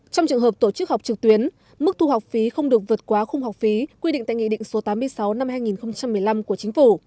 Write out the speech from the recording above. trong trường hợp tổ chức học trực tuyến mức thu học phí không được vượt qua khung học phí quy định tại nghị định số tám mươi sáu năm hai nghìn một mươi năm của chính phủ